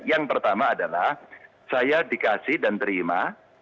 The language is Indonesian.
yang pertama adalah saya dikasih dan terima